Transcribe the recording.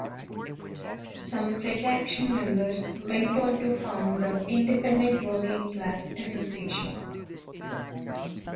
Some Red Action members went on to found the Independent Working Class Association.